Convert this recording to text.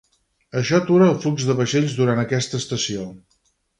Això atura el flux de vaixells durant aquesta estació.